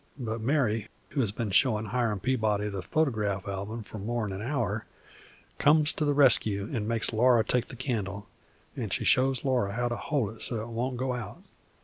But Mary, who hez been showin' Hiram Peabody the phot'graph album for more 'n an hour, comes to the rescue an' makes Laura take the candle, and she shows Laura how to hold it so it won't go out.